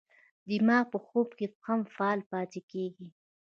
دماغ په خوب کې هم فعال پاتې کېږي.